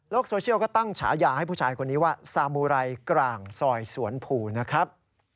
โซเชียลก็ตั้งฉายาให้ผู้ชายคนนี้ว่าซามูไรกลางซอยสวนผูนะครับ